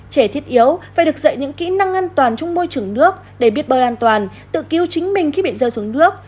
trẻ thiết yếu phải được dạy những kỹ năng an toàn trong môi trường nước để biết bơi an toàn tự cứu chính mình khi bị rơi xuống nước